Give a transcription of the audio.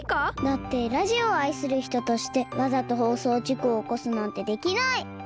だってラジオをあいするひととしてわざとほうそうじこをおこすなんてできない！